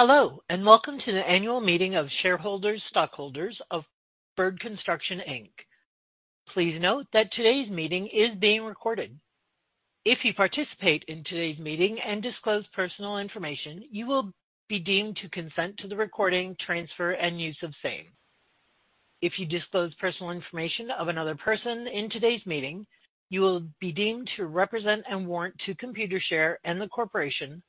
Hello, and welcome to the Annual Meeting of Shareholders/Stockholders of Bird Construction Inc. Please note that today's meeting is being recorded. If you participate in today's meeting and disclose personal information, you will be deemed to consent to the recording, transfer, and use of same. If you disclose personal information of another person in today's meeting, you will be deemed to represent and warrant to Computershare and the corporation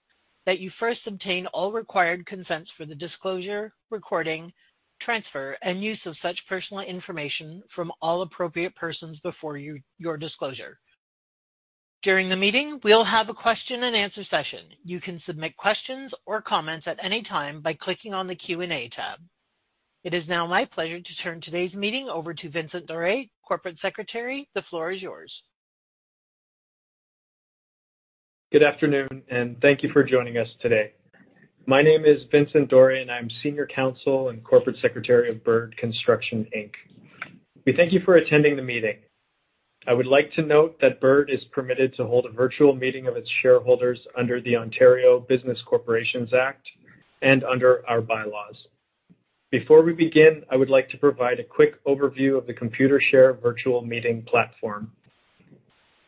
that you first obtain all required consents for the disclosure, recording, transfer, and use of such personal information from all appropriate persons before your disclosure. During the meeting, we'll have a question and answer session. You can submit questions or comments at any time by clicking on the Q&A tab. It is now my pleasure to turn today's meeting over to Vincent Doré, Corporate Secretary. The floor is yours. Good afternoon, and thank you for joining us today. My name is Vincent Doré, and I'm Senior Counsel and Corporate Secretary of Bird Construction Inc. We thank you for attending the meeting. I would like to note that Bird is permitted to hold a virtual meeting of its shareholders under the Ontario Business Corporations Act and under our bylaws. Before we begin, I would like to provide a quick overview of the Computershare virtual meeting platform.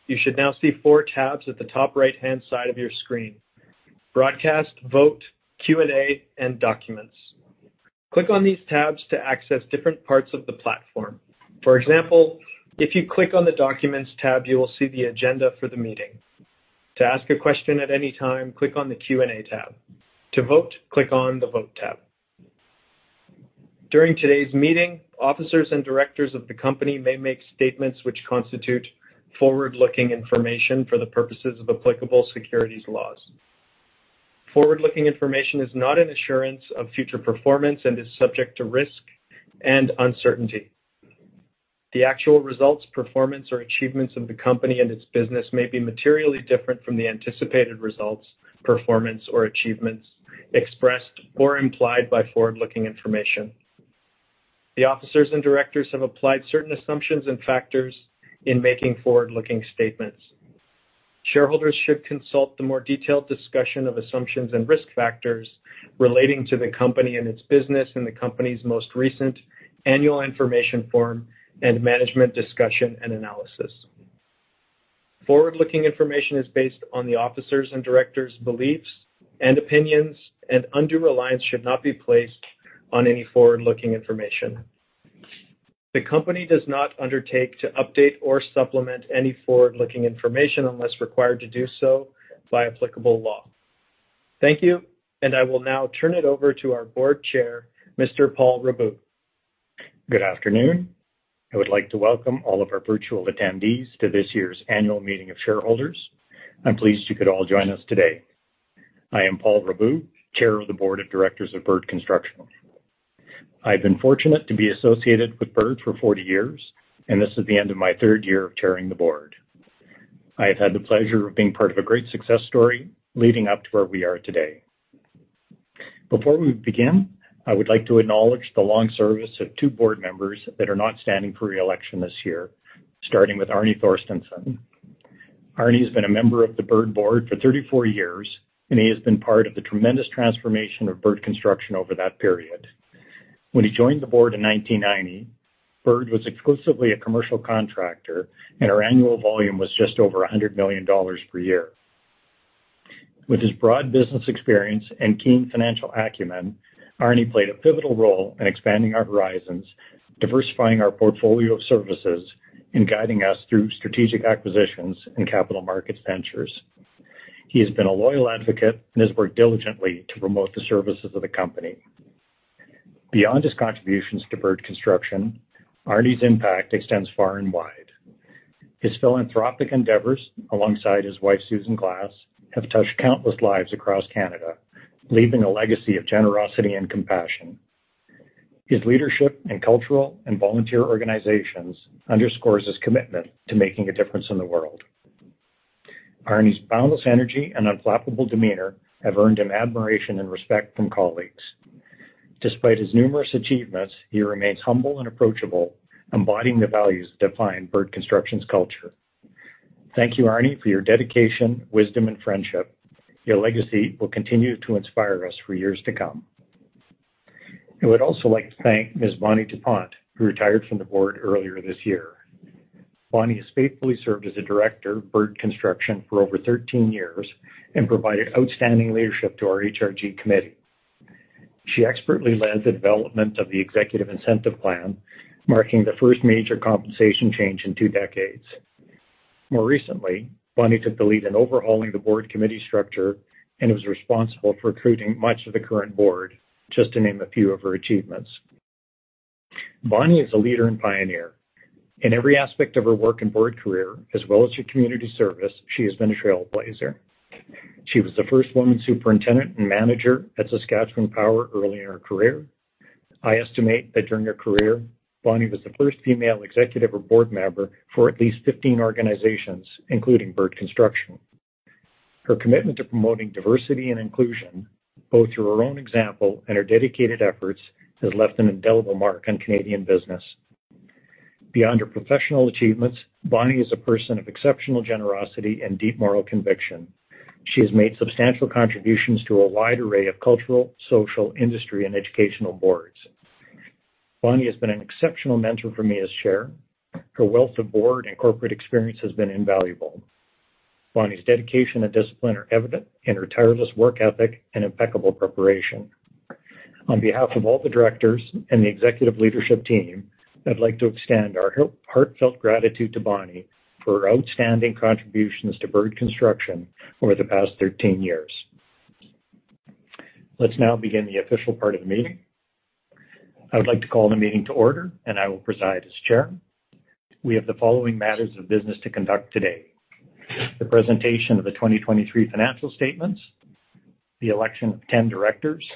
You should now see four tabs at the top right-hand side of your screen: Broadcast, Vote, Q&A, and Documents. Click on these tabs to access different parts of the platform. For example, if you click on the Documents tab, you will see the agenda for the meeting. To ask a question at any time, click on the Q&A tab. To vote, click on the Vote tab. During today's meeting, officers and directors of the company may make statements which constitute forward-looking information for the purposes of applicable securities laws. Forward-looking information is not an assurance of future performance and is subject to risk and uncertainty. The actual results, performance, or achievements of the company and its business may be materially different from the anticipated results, performance, or achievements expressed or implied by forward-looking information. The officers and directors have applied certain assumptions and factors in making forward-looking statements. Shareholders should consult the more detailed discussion of assumptions and risk factors relating to the company and its business in the company's most recent annual information form and management discussion and analysis. Forward-looking information is based on the officers' and directors' beliefs and opinions, and undue reliance should not be placed on any forward-looking information. The company does not undertake to update or supplement any forward-looking information unless required to do so by applicable law. Thank you, I will now turn it over to our Board Chair, Mr. Paul Raboud. Good afternoon. I would like to welcome all of our virtual attendees to this year's annual meeting of shareholders. I'm pleased you could all join us today. I am Paul Raboud, Chair of the Board of Directors of Bird Construction. I've been fortunate to be associated with Bird for 40 years, and this is the end of my third year of chairing the board. I have had the pleasure of being part of a great success story leading up to where we are today. Before we begin, I would like to acknowledge the long service of two board members that are not standing for re-election this year, starting with Arni Thorsteinson. Arni has been a member of the Bird board for 34 years, and he has been part of the tremendous transformation of Bird Construction over that period. When he joined the board in 1990, Bird was exclusively a commercial contractor, and our annual volume was just over 100 million dollars per year. With his broad business experience and keen financial acumen, Arni played a pivotal role in expanding our horizons, diversifying our portfolio of services, and guiding us through strategic acquisitions and capital markets ventures. He has been a loyal advocate and has worked diligently to promote the services of the company. Beyond his contributions to Bird Construction, Arni's impact extends far and wide. His philanthropic endeavors, alongside his wife, Susan Glass, have touched countless lives across Canada, leaving a legacy of generosity and compassion. His leadership in cultural and volunteer organizations underscores his commitment to making a difference in the world. Arni's boundless energy and unflappable demeanor have earned him admiration and respect from colleagues. Despite his numerous achievements, he remains humble and approachable, embodying the values that define Bird Construction's culture. Thank you, Arni, for your dedication, wisdom, and friendship. Your legacy will continue to inspire us for years to come. I would also like to thank Ms. Bonnie DuPont, who retired from the board earlier this year. Bonnie has faithfully served as a director of Bird Construction for over 13 years and provided outstanding leadership to our HRG committee. She expertly led the development of the executive incentive plan, marking the first major compensation change in two decades. More recently, Bonnie took the lead in overhauling the board committee structure and was responsible for recruiting much of the current board, just to name a few of her achievements. Bonnie is a leader and pioneer. In every aspect of her work and board career, as well as her community service, she has been a trailblazer. She was the first woman superintendent and manager at Saskatchewan Power early in her career. I estimate that during her career, Bonnie was the first female executive or board member for at least 15 organizations, including Bird Construction. Her commitment to promoting diversity and inclusion, both through her own example and her dedicated efforts, has left an indelible mark on Canadian business. Beyond her professional achievements, Bonnie is a person of exceptional generosity and deep moral conviction. She has made substantial contributions to a wide array of cultural, social, industry, and educational boards. Bonnie has been an exceptional mentor for me as chair. Her wealth of board and corporate experience has been invaluable. Bonnie's dedication and discipline are evident in her tireless work ethic and impeccable preparation. On behalf of all the directors and the executive leadership team, I'd like to extend our heartfelt gratitude to Bonnie for her outstanding contributions to Bird Construction over the past 13 years. Let's now begin the official part of the meeting. I would like to call the meeting to order, and I will preside as chair. We have the following matters of business to conduct today: the presentation of the 2023 financial statements, the election of 10 directors,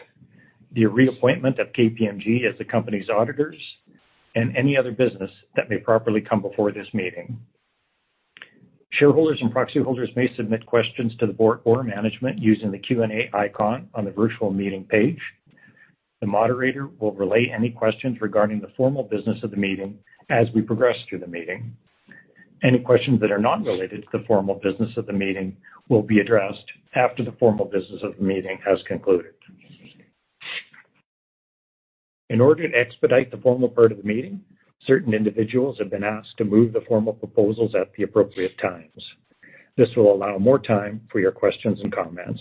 the reappointment of KPMG as the company's auditors, and any other business that may properly come before this meeting. Shareholders and proxy holders may submit questions to the board or management using the Q&A icon on the virtual meeting page. The moderator will relay any questions regarding the formal business of the meeting as we progress through the meeting. Any questions that are not related to the formal business of the meeting will be addressed after the formal business of the meeting has concluded. In order to expedite the formal part of the meeting, certain individuals have been asked to move the formal proposals at the appropriate times. This will allow more time for your questions and comments.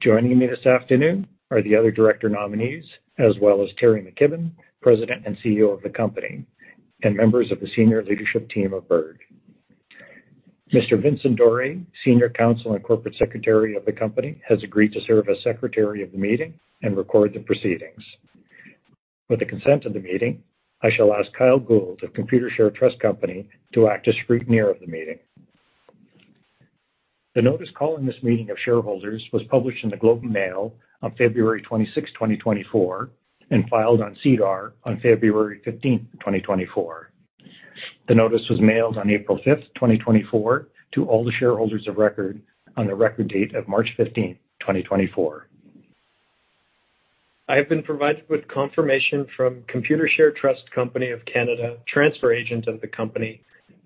Joining me this afternoon are the other director nominees, as well as Terry McKibbon, President and CEO of the company, and members of the senior leadership team of Bird. Mr. Vincent Doré, Senior Counsel and Corporate Secretary of the company, has agreed to serve as Secretary of the meeting and record the proceedings. With the consent of the meeting, I shall ask Kyle Gould of Computershare Trust Company to act as scrutineer of the meeting. The notice calling this meeting of shareholders was published in The Globe and Mail on February 26, 2024, and filed on SEDAR on February 15, 2024. The notice was mailed on April 5th, 2024, to all the shareholders of record on the record date of March 15, 2024. I have been provided with confirmation from Computershare Trust Company of Canada, transfer agent of the company,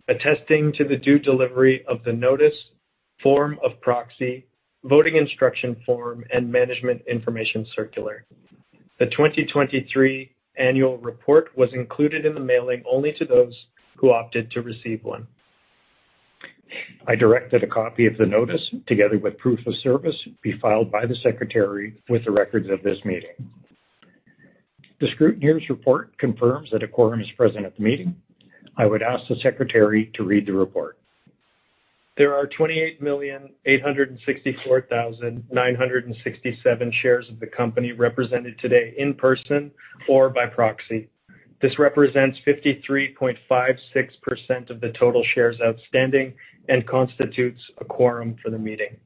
attesting to the due delivery of the notice, form of proxy, voting instruction form, and management information circular. The 2023 annual report was included in the mailing only to those who opted to receive one. I direct that a copy of the notice, together with proof of service, be filed by the Secretary with the records of this meeting. The scrutineer's report confirms that a quorum is present at the meeting. I would ask the Secretary to read the report. There are 28,864,967 shares of the company represented today in person or by proxy. This represents 53.56% of the total shares outstanding and constitutes a quorum for the meeting.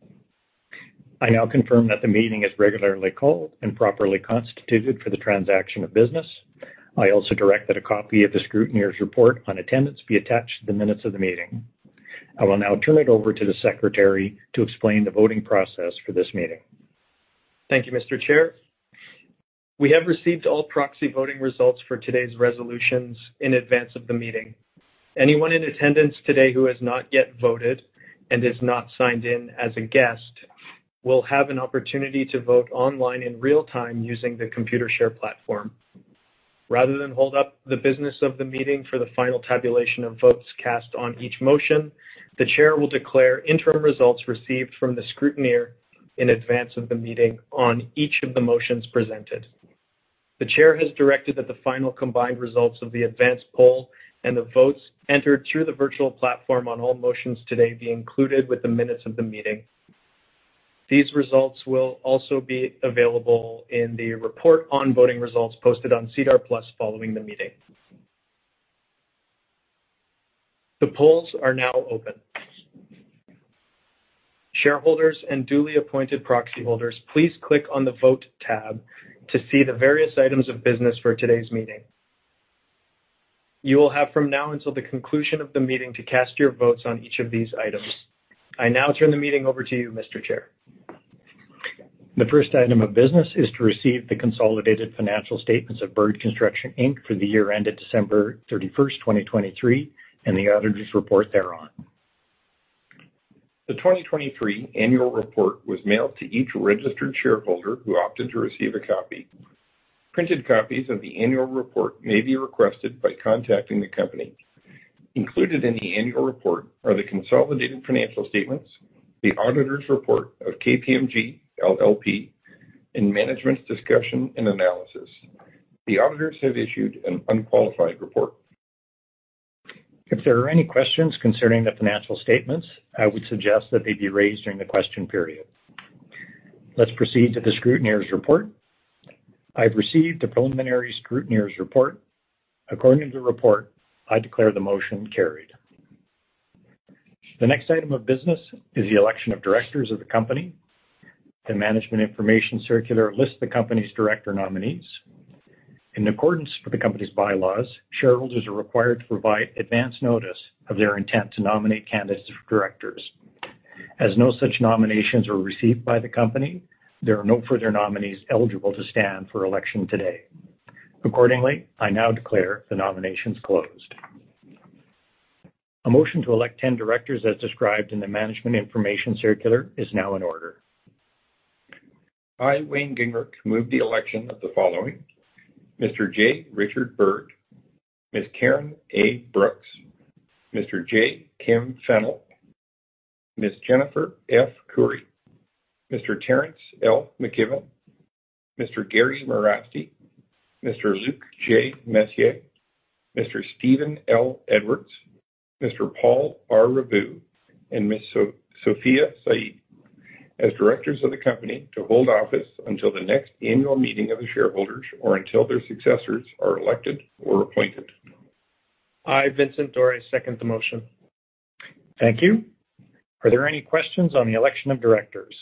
I now confirm that the meeting is regularly called and properly constituted for the transaction of business. I also direct that a copy of the scrutineer's report on attendance be attached to the minutes of the meeting. I will now turn it over to the secretary to explain the voting process for this meeting. Thank you, Mr. Chair. We have received all proxy voting results for today's resolutions in advance of the meeting. Anyone in attendance today who has not yet voted and is not signed in as a guest will have an opportunity to vote online in real time using the Computershare platform. Rather than hold up the business of the meeting for the final tabulation of votes cast on each motion, the chair will declare interim results received from the scrutineer in advance of the meeting on each of the motions presented. The chair has directed that the final combined results of the advanced poll and the votes entered to the virtual platform on all motions today be included with the minutes of the meeting. These results will also be available in the report on voting results posted on SEDAR+ following the meeting. The polls are now open. Shareholders and duly appointed proxy holders, please click on the Vote tab to see the various items of business for today's meeting. You will have from now until the conclusion of the meeting to cast your votes on each of these items. I now turn the meeting over to you, Mr. Chair. The first item of business is to receive the consolidated financial statements of Bird Construction Inc. for the year ended December 31st, 2023, and the Auditor's Report thereon. The 2023 annual report was mailed to each registered shareholder who opted to receive a copy. Printed copies of the annual report may be requested by contacting the company. Included in the annual report are the consolidated financial statements, the Auditor's report of KPMG LLP, and Management's Discussion and Analysis. The auditors have issued an unqualified report. If there are any questions concerning the financial statements, I would suggest that they be raised during the question period. Let's proceed to the scrutineer's report. I've received the preliminary scrutineer's report. According to the report, I declare the motion carried. The next item of business is the election of directors of the company. The management information circular lists the company's director nominees. In accordance with the company's bylaws, shareholders are required to provide advance notice of their intent to nominate candidates for directors. As no such nominations were received by the company, there are no further nominees eligible to stand for election today. Accordingly, I now declare the nominations closed. A motion to elect 10 directors as described in the management information circular is now in order. I, Wayne Gingrich, move the election of the following: Mr. J. Richard Bird, Ms. Karyn A. Brooks, Mr. J. Kim Fennell, Ms. Jennifer F. Koury, Mr. Terrance L. McKibbon, Mr. Gary Merasty, Mr. Luc J. Messier, Mr. Steven L. Edwards, Mr. Paul R. Raboud, and Ms. Sophia Saeed as directors of the company to hold office until the next annual meeting of the shareholders or until their successors are elected or appointed. I, Vincent Doré, second the motion. Thank you. Are there any questions on the election of directors?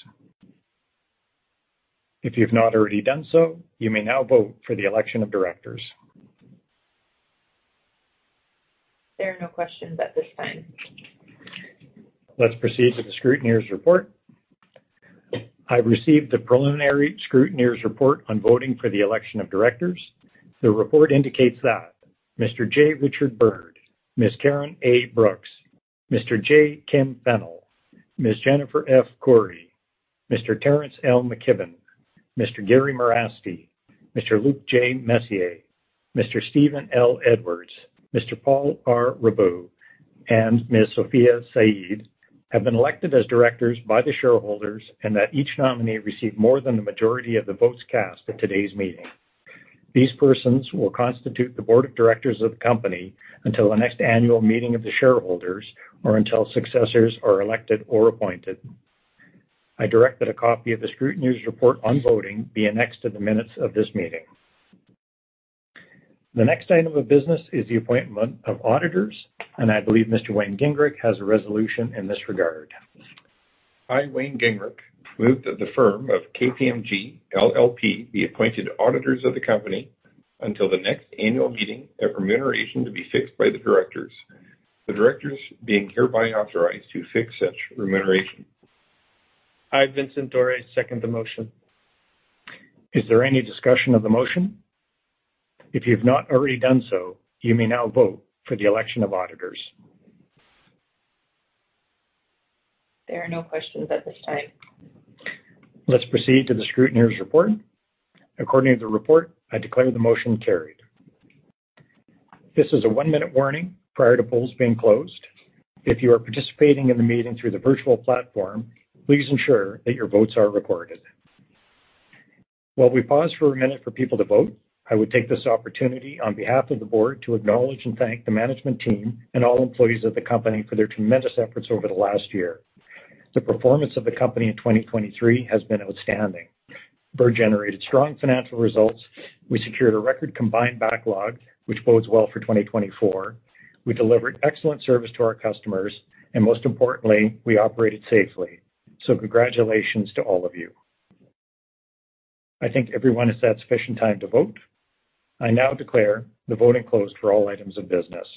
If you've not already done so, you may now vote for the election of directors. There are no questions at this time. Let's proceed to the scrutineer's report. I received the preliminary scrutineer's report on voting for the election of directors. The report indicates that Mr. J. Richard Bird, Ms. Karyn A. Brooks, Mr. J. Kim Fennell, Ms. Jennifer F. Koury, Mr. Terrance L. McKibbon, Mr. Gary Merasty, Mr. Luc J. Messier, Mr. Steven L. Edwards, Mr. Paul R. Raboud, and Ms. Sophia Saeed have been elected as directors by the shareholders and that each nominee received more than the majority of the votes cast at today's meeting. These persons will constitute the board of directors of the company until the next annual meeting of the shareholders or until successors are elected or appointed. I directed a copy of the scrutineer's report on voting be annexed to the minutes of this meeting. The next item of business is the appointment of auditors, and I believe Mr. Wayne Gingrich has a resolution in this regard. I, Wayne Gingrich, move that the firm of KPMG LLP be appointed auditors of the company until the next annual meeting of remuneration to be fixed by the directors, the directors being hereby authorized to fix such remuneration. I, Vincent Doré, second the motion. Is there any discussion of the motion? If you've not already done so, you may now vote for the election of auditors. There are no questions at this time. Let's proceed to the scrutineer's report. According to the report, I declare the motion carried. This is a one-minute warning prior to polls being closed. If you are participating in the meeting through the virtual platform, please ensure that your votes are recorded. While we pause for a minute for people to vote, I would take this opportunity on behalf of the board to acknowledge and thank the management team and all employees of the company for their tremendous efforts over the last year. The performance of the company in 2023 has been outstanding. Bird generated strong financial results. We secured a record combined backlog, which bodes well for 2024. We delivered excellent service to our customers, and most importantly, we operated safely. Congratulations to all of you. I think everyone has had sufficient time to vote. I now declare the voting closed for all items of business.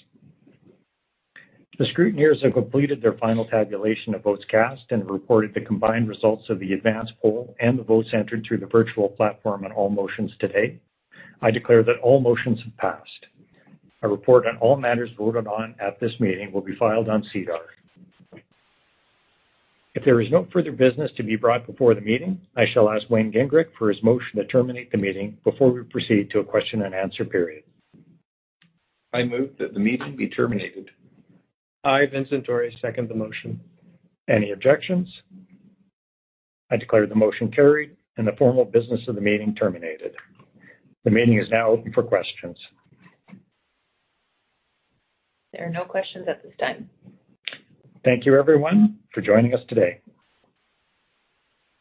The scrutineers have completed their final tabulation of votes cast and have reported the combined results of the advanced poll and the votes entered through the virtual platform on all motions today. I declare that all motions have passed. A report on all matters voted on at this meeting will be filed on SEDAR. If there is no further business to be brought before the meeting, I shall ask Wayne Gingrich for his motion to terminate the meeting before we proceed to a question and answer period. I move that the meeting be terminated. I, Vincent Doré, second the motion. Any objections? I declare the motion carried and the formal business of the meeting terminated. The meeting is now open for questions. There are no questions at this time. Thank you everyone for joining us today.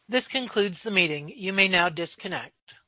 This concludes the meeting. You may now disconnect.